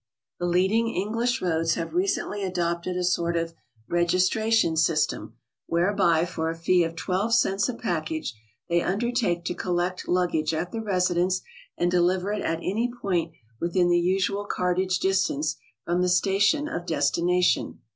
The leading English roads have recently adopted a sort of registration system, whereby for a fee of 12 cents a pack age they undertake to collect luggage at the residence and deliver it at any point within the usual cartage distance from the station of destination.